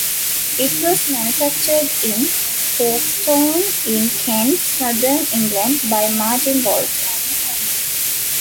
It was manufactured in Folkestone in Kent, southern England, by Martin Walter.